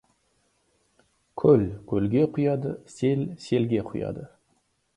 Көл көлге құяды, сел селге құяды.